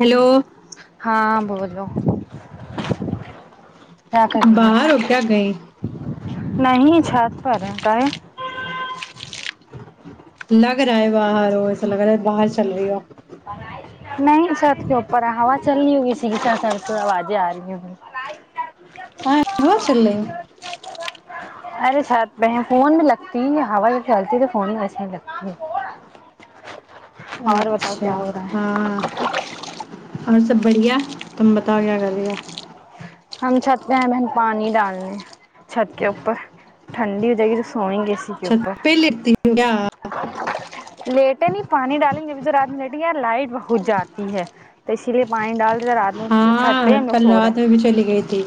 Hello ہاں بولجو کیا کر رہی باہر ہو کیا گئے نہیں چھت پر رہتا ہے لگ رہا ہے باہر وہ ایسا لگ رہا ہے باہر چل رہی ہو بنائی نہیں سر اوپر ہا چلنی ہوگئی سی سر سے آوازیں آ رہی ہیں بھی ہاں ہو چلے ارےات فون بھی لگتی ہوا جب چلتی ہے تو فون بھی ایسے ہی لگتی ہے اور بتاؤ اچھا کیا ہو رہا ہے ہاں اور سب بڑھیا تم بتا کیا کرے گا ہم چھت پہ ہیں بہن پانی ڈالنے چھت کے اوپر ٹھنڈی ہو جائے گی ج سوئیں گے اسی کے اوپر چھت پہ لیٹتی ہو کیا لیٹے نہیں پانی ڈالیں گے جبھی تو رات میں لیٹیں یار لائٹ ہو جاتی ہے تو اس اس لیے پانی ڈال دیتے رات میں اس چھت ہاں پہ ہم لوگ کل سو رہے رات میں بھی ہیں گئی تھی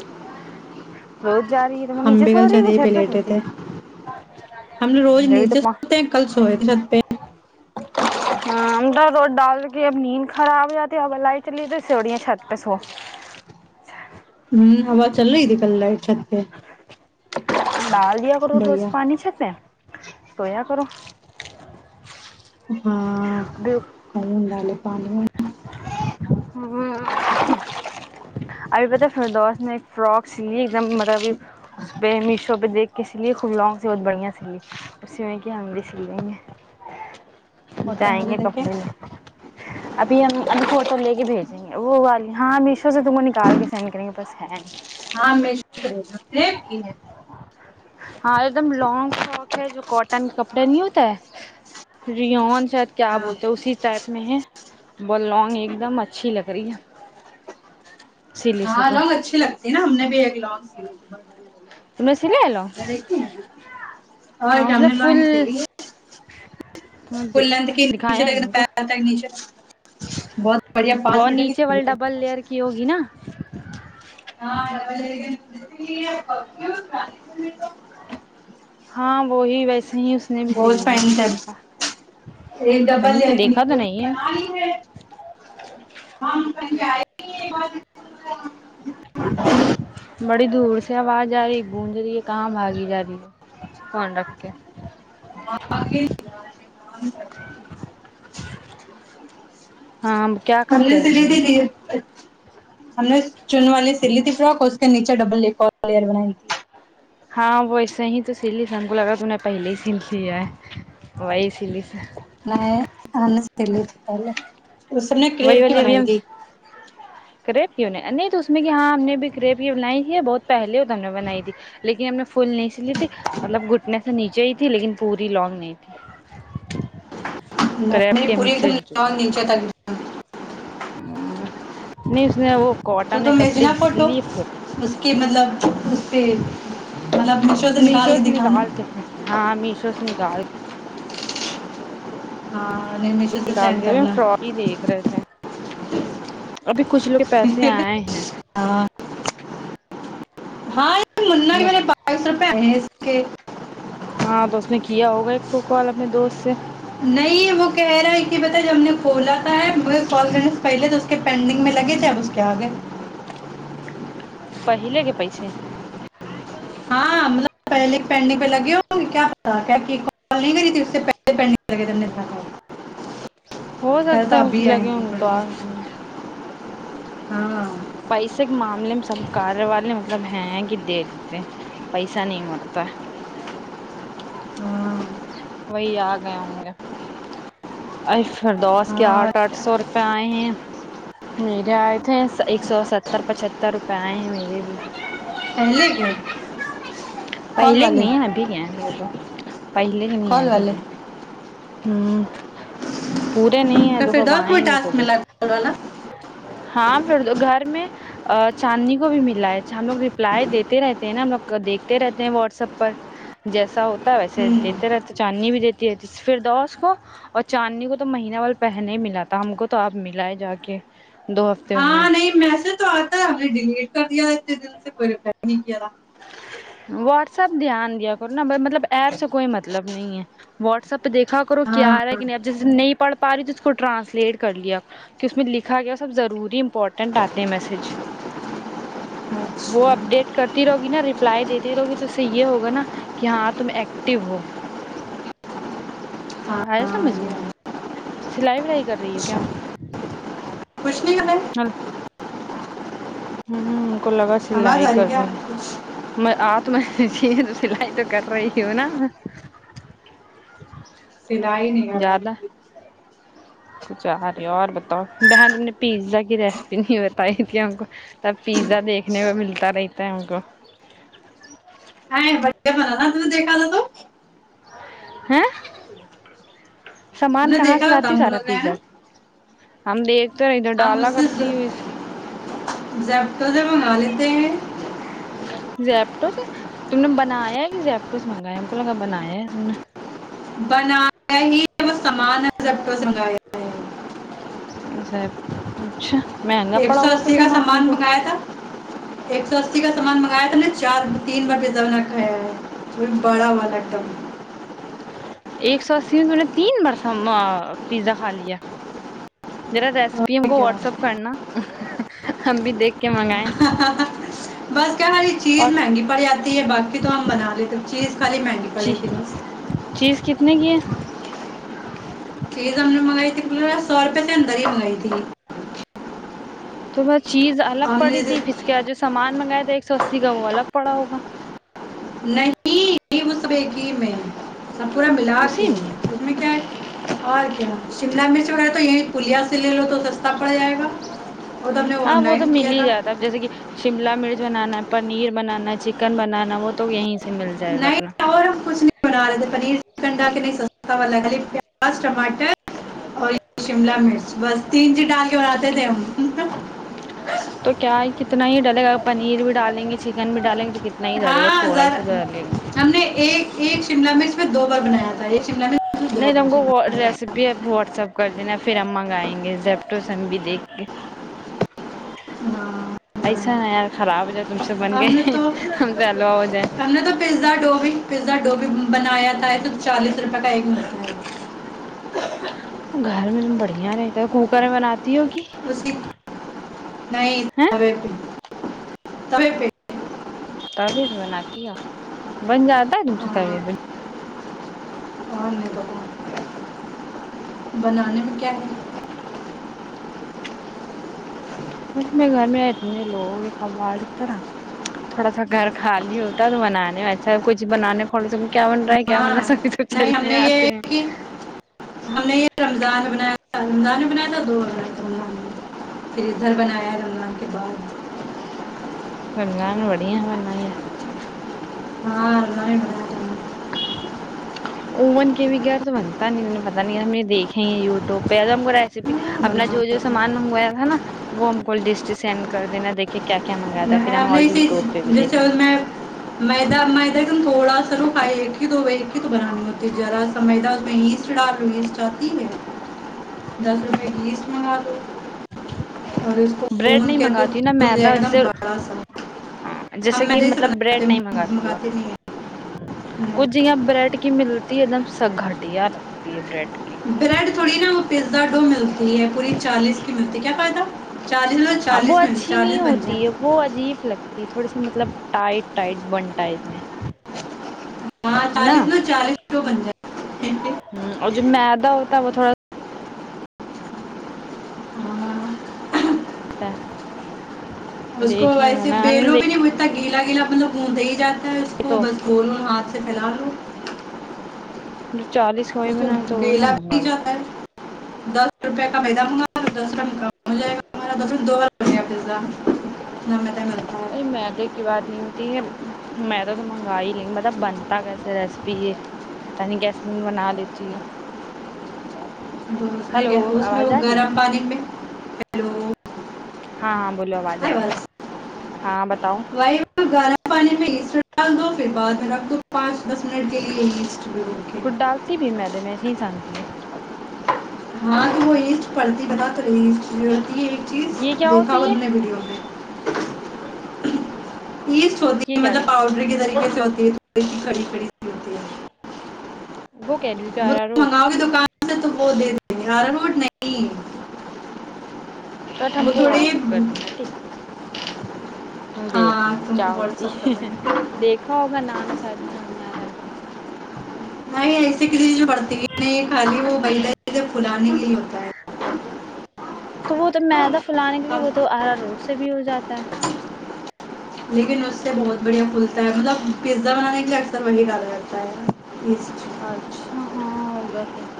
روز جا رہی ہے تو میں ہم نیچے بھی سو کل رہی ہوں چھتی کہ پہ چھت لیٹے سوتی تھے ہم نےوگ روز بھی تو نیچے سوتے کل سوئے تھے چھت پہ ہاں ر ڈال کے اب نیند خراب ہو جاتی ہے اب الائی چلی ت سڑیا چھت پہ سو ہوں ہ چلو ایک ک الاائ چل پہ دال دیا کرو جوچ بڑھیا پانی چ ن سویا کرو ہاں [unintelligible] ہاں کالے [unintelligible] پانی [unintelligible] ہ [inaudible] [inaudible] [unintelligible] فوٹو جائیں مجھے گے دیکھے کپڑے لے ابھی ہمبھی فوٹو لے کے بھیجیں گے وہ وال ہاں مشو سے تم [unintelligible] ٹال کے سینکرن کے پاس ہے ریٹ کی ہے ہاں ایک دم لانگ فرک ہے جو کاٹن کا کپڑا نہیں ہوتا ہے رون شاید کیا ہاں بولتے ہیں اسی ٹائپ میں ہے ب لانگ ایک دم اچھی لگ رہی ہے سلی سے ہاں تو لانگ اچھی لگتی نا ہم نے بھی ایک لانگ [inaudible] تم نے سلے لو اور ہاں ج اس ہم نے فل وال کے لی [unintelligible] [inaudible] ف لین کہے دکھایا نہیں ان پ کو تھا نچے [unintelligible] وہ نیچے سلی والی ہے ڈبل لئر کی ہوگی نا [inaudible] ہاں وہی ویسے ہی اس نے بھی س بہت لی ہے پہنتے ہیں ڈبل کہیں پہ لنی دیکھا تو پڑی نہیں ب ہے پ [inaudible] بڑی دور سے [inaudible] سے آواز ج رہی ہے گونند رہی ہے کام بای جای ہے فون رکھ کے ہاں کیا ہم کر نے کے آ رہی سلی اد تھی [unintelligible] ہم نے چن والے س لی تھی فراک اور اس کے نیچے ڈبل ل لیئر بنائی تھی ہاں وہ ایسے ہی تو سلی س ہم کو لگا تو نے پہلے ہی سل لیا وہی سلی س میں لیے ت پہلے [unintelligible] وہی کریب کی بنائی ولیبم تھی کریٹ نہیں تو اس میں کہ ہاں ہم نے بھی کریپ یہ بنائی تھی بہت پہلے ہو تو ہم نے بنائی تھی لیکن ہم نے فل نہیں س لی تھی مطلب گھٹنے سے نیچے ہی تھی لیکن پوری لانگ نہیں تھی کریب نہیں کے ہم پوری ایک دم سل چکے ن دنچ تھا ہ ن [unintelligible] تو ت بھیجنا فوٹو اس کے مطلب اس پہ مطلب نشود نکال میشو کے سے دکھانا کے پھینک ہاں میشو سے نکال ہاں نہیں میشو سے ڈال سینڈ گیابھی ہم کرنا فراڈ ہی دیکھ رہے تھے ابھی کچھ لوگ پیسے آئے ہیں ہاں ہاں یہ منا بھی م نے بائی رپ ک ہاں تو اس نے کیا ہوگا ایک کو کال اپنے دوست سے نہیں وہ کہہ رہا ہے کہ بتا جب ہم نے کولا تھا ہے مجھے کال کرنے سے پہلے تو اس کے پینڈنگ میں لگے تھے اب اس کے آگے پہلے کے پیسے ہاں پہلے پینڈن پہ لگے ہوں گے کیا پ کیا نہیں کری تھی اس پہے پہنے گد [unintelligible] ہو سکتا ہے اس لگے ہوں گے تو آ لیں۔ گئے ہاں پیسے کے معاملے میں سب کاریہ والے مطلب ہیں کہ دے دیتے ہیں پیسہ نہیں مرتا ہاں وہی آ گئے ہوں گے ایف [unintelligible] پھر دس کے ہاں آٹھ آٹھ سو باائیںں [unintelligible] میرے آئے تھے ایک سو ستر پچتر روپئے آئے ہیں میرے بھی پہلے کے کال پہلے کے والے نہیں ہے ابھی کے ابھی تو پہلے کے نہیں ہے کال ابھی والے کے ہ پورے نہیں ہے تو د پھر کب دور کوئی آئیں گے تو ٹاسک د ملا کال والا ہاں ہاں پ گھر میں چاندنی کو بھی ملا ہے ہم لوگ رپلائی دیتے رہتے ہیں نا ہم لوگ دیکھتے رہتے ہیں واٹسپ پر جیسا ہو ویسے ہوں دیتے رہتے چاندنی بھی دیتے جی جی [unintelligible] فردوس کو اور چاندنی کو تو مہینہ وال پہنے ہی ملا تھا ہم کو تو آپ ملا ہے جا کے دو ہفتے میں ہاں نہیں میسج تو آتا ہے ہم نے ڈیلیٹ کر دیا دل سے کوئی نہیں کیا رہ تھا واٹس ایپ دھیان دیا کر نہ ب مطلب ایپ سے کوئی مطلب نہیں ہے واٹس ایپ دیکھا کرو کیا ہاں آ رہا ہے کہ نہیں اب جیسے نہیں پڑھتا کو ٹرانسلیٹ کر لیا اس میں لکھا گیا سب ضروری امپورٹنٹ آتے ہیں میسج وہ اچھا اپڈیٹ کر تی رہوگی نا رپلائی دیتی رہوگی ت سے یہ ہوگا نا کہ ہاں تم ایکٹو ہو آئے ہاں سمجھ میں یہ سلائی ولائی کر رہی ہو کیا اچھا کچھ نہیں کر رہے ہاں ہمم کو لگا آواز سلائی آ کر کیا رہی کچھ میں آپ تم تو سلائی تو کر رہی ہو نا سلائی نہیں کر زیادہ کچھ آ رہی اور بتاؤ بہن تم نے پیزا کی ریسیپی نہیں بتائی تھی ہم کو تب پیزا دیکھنے میں ملتا رہتا ہے ہم کو ا بھیا بنا نا ت دیکھاا تو [unintelligible] [unintelligible] تم سامان نے کہاں دیکھا سے لاتی دم کو سارا لگ رہا ہے پیزا نا ہم دیکھ تھر د ہم اس ڈالا سے کرتی ہوئی [unintelligible] زیپٹوز تم نے بنایا ہے کہ زیپٹوس منگایا ہم کو لگا بنایا ہے ت نے بنایا ہی ہے وہ سامان ہے جٹٹ سنگایا سر اچھا مہنگا ایک پڑا سو ہوگا پھر اسی کا تم سامان کو منگایا تھا ایک سو اسی کا سامان منگایا تھا چار تین بار بھی ز [unintelligible] ایک سو اسی میں تو میں نے تین بار پیزا کھا لیا میرا ریسیپی ان اور کو کیا واٹس اپ کرنا ہم بھی دیکھ کے منگائے بس کیا ہماری چیز اور جیز جی چیز کتنے کی ہے چیز ہم نے منگائی تھی پورے سو روپے سے اندر ہی منگائی تھی [unintelligible] چیز الگ ہم پڑی تھی نے ثھر اسکے ہاتھ جو سامان منکایا تھا ایک سو اسی کا وہ الگ پڑا ہوگا بیکی میں سب پورا ملا کے اس میں کیا ہے اور کیا شملا مرچ وغیرہ تو یہی پلیا سے لے لو تو سستا پڑ جائے گا اور تو ہم نے ہاں آن وہ تو لائن مل کیا ہی تھا جاتا ہے اب جیسے کہ شملہ مرچ بنانا ہے پنیر بنانا چکن بنانا وہ تو یہیں سے مل جائے گا نہیں اپنا اور ہم کچھ نہیں بنا رہے تھے پنیر چکن ڈا کے نہیں سستا والاگ پیاز ٹماٹر اور شملہ مرچ بس تین چیٹال کے تو بناتے تھے ہم تو کیا ہے کتنا ہی ڈالے گا پنیر بھی ڈالیں گے چکن بھی ڈالیں گے تو کتنا ہی ڈلے گا ہاں تھوڑا ہی سر سے ڈلے گا ہم نے ایک ایک شملہ میں میں دو بار بنایا تھا ایک شملہ میں مرچ دو بار نہیں ت بنایا تھا۔ ہاں کو ریسیپی واٹس ایپ کر دینا پھر ہم منگائیں گے زیپٹ سبیدت دیک کے ایسا ہے یار خراب ہو جائے تم سے بن ہم نے گئے تو ہم سےلوا ہو جائے ہم نے تو پیزا ڈو بھی پیزا ڈو بھی بنایا تو چالیس روپے کا ایک ملتا ہے گھر میں تم بڑھیا رہتا ہے کوکر میں بناتے تیوگی اسی نہیں تب پی تبیعت بناتی ہے بن جاتا ہے تم سے ہاں تبیت اور نہیں ب بنانے میں کیا ہے وسے گھر میں اتنے لوگ کباڑ ایک طرح تھوڑا سا گھر خالی ہوتا تو بنانے میں ایچھا کچھ بنانے کھولے سے کیا بن رہا ہے کیا بن ہاں رہا سبھی تو نہیں ہم چلنے نے یہ آتے ہیں کہ ہم نے یہ رمضان بنایا رمضان میں بنایا تھا دو اگست رمض پھر ادھر بنایا رمضان کے بعد گنگا بھی بڑیا اننا ہی ہاں اللہ بھی م امن کے بھی گر تو بنتا نہیں تیں پتا نہیں کہ ہم یہ دیکھیں ہیں وٹیوب پہ ہم کو ریسیپی ہاں، بنا اپنا جو جو لیتے ہیں سامان منگوایا تھا نا وہ ہم کو ڈ سینڈ کر د نا دیکے کیا کیا منگایا تھا پھر ہم اور نے جیس یوٹیوب پہ بھی سے دیکھ لیں میں میدا میدا ایکم تھوڑا سا سرو پائے دو وکتو بنانی ہوتی ہے جذرا سویدان میں ہی سے چھان چاہتی ہے دس روپئے بیس نار بریڈ نہیں منگاتی ہ نا مدا ایک دم جیسے بڑا سا ہاں جیسے ہم کہ میدے سے مطلب بریڈ بناتے ہیں، نہیں منگاتی ہو ہ منگاتے نہیں ہیں کچھ یہ بریڈ کی م روٹی ایک دم سبگٹیا نا پی بریڈ کی بریڈ تھوڑی نا وہ پیزا ڈو ملتا یہ پور چالیس ق مد کیا فائدہ چالیس لو ہاں وہ چالیس مل اچھی نہیں چالیس بن ہوتی ہے جائے وہ عجیب لگتی ہے تھوڑی سی مطلب ٹائٹ ٹائٹ بنتا میں ہاں ہے نا چالیس لو چالیس ڈو بن جائے ہ اور جو م د ہوتا وہ تھوڑا ہاں [inaudible] [inaudible] اس کو دیکھیں گے ویسے نا ہم نے بیلو بھی دیکھ نہیں ہوتا گیل پلہ کےلا مطب پتے ہی جا اس کو تو بس بولو ہاتھ سے پھیلا لوں جی [inaudible] چالی سکوائی بنیں تو وہ نا نہیں منگال جاتا ہے دس روپے کا پیدا مگا دس روپئے کا مجھائےا د دو دیا پزا نم اے میدے کی بات نہیں ہوتی یہ میدا تو منگا ہی نہیں بتا بن پتا کیسے ریسیپی ہے پتاہ نہیں گسے بنا لیتی ہے تو اس میں کیا اس میں وہ ہے گرم پانی میں ہیلو ہاں ہاں بولو آ جائے ہاں مت [inaudible] وائی گارا پانی میں شگ پھر بعد میں آپ کو پانچ دس منٹ کے لیے یہ لسٹ ل ک ڈالتی بھی میں د میں صی سانتی ہے ہاں ج وہ ایسٹ پڑتی ب کرٹ تی یہ ایک چیز یہ کیا دیکھا وہ ہوتی ہے اپنے ویڈیو پہ یہ یہ ہوتی کیا مطلب پاؤڈر کے طریقے سے چ کی کڑی کھڑی ہوتی ہے وہ کہڈو [inaudible] گیارہ روٹ وہاں سے تو وہ دے د گے گارا روٹ نہیں ٹ ہم وہ کو تھوڑے واٹسپ کر دینا ٹھیک ہم دیکھیں ہاں تم کو کیا واٹس ہوتی ایپ کر ہے دیں گے دیکھا ہوگ نام یہ شاید سمجھ میں آتا ہے ہم کو نہیں ایسے کسی جو پڑتی ہے نہیں خالی وہ پہل ج جہ پھلانے کے لی ہوتا ہے تو وہ [inaudible] تو میدہ پلانے کے لیے وہ تو اب آرا روڈ سے بھی ہو جاتا ہے لیکن اس سے بہت بڑھیا پھلتا ہے مطلب پیزا بنانے کے لیے اکثر وہی ڈال رہتا ہے اچھا ہاں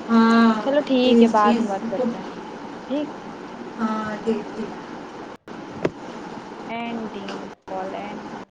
ہاں چلو ٹھیک ہے ایسٹ بعد میں چیز بات کو کرتے ہیں ٹھیک ج [unintelligible] اینڈنگ کالینڈ [inaudible]